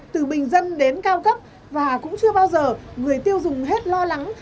từ bình dân đến cao cấp và cũng chưa bao giờ người tiêu dùng hết lo lắng